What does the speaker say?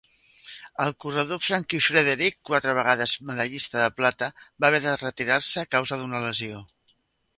El corredor Frankie Fredericks, quatre vegades medallista de plata, va haver de retirar-se a causa d'una lesió.